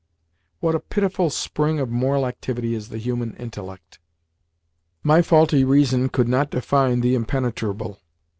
What a pitiful spring of moral activity is the human intellect! My faulty reason could not define the impenetrable.